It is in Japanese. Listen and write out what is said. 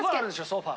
ソファ。